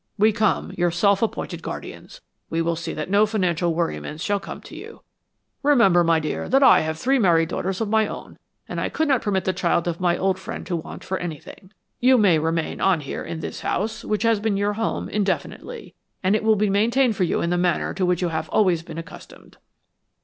We come, your self appointed guardians; we will see that no financial worriments shall come to you. Remember, my dear, that I have three married daughters of my own, and I could not permit the child of my old friend to want for anything. You may remain on here in this house, which has been your home, indefinitely, and it will be maintained for you in the manner to which you have always been accustomed."